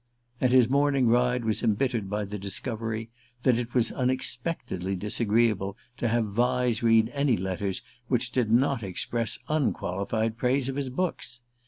And his morning ride was embittered by the discovery that it was unexpectedly disagreeable to have Vyse read any letters which did not express unqualified praise of his books.